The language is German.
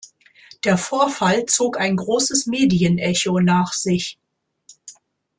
Der Vorfall zog ein großes Medienecho nach sich.